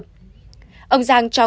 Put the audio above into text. ông giang cho nguyễn long giang